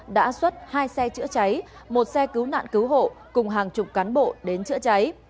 đã xuất hai xe chữa cháy một xe cứu nạn cứu hộ cùng hàng chục cán bộ đến chữa cháy